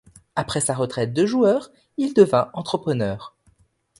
Après sa retraite de joueur, il devint entrepreneur.